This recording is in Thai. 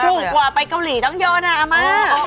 ดีถูกกว่าไปเกาหลีต้องโยนอะมา